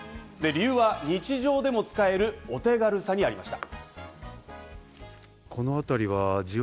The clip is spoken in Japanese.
理由は日常でも使えるお手軽さにありました。